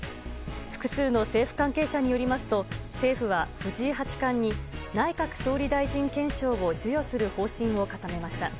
複数の政府関係者によりますと政府は藤井八冠に内閣総理大臣顕彰を授与する方針を固めました。